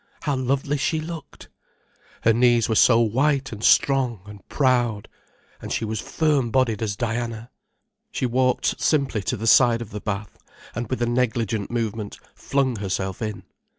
How lovely she looked! Her knees were so white and strong and proud, and she was firm bodied as Diana. She walked simply to the side of the bath, and with a negligent movement, flung herself in.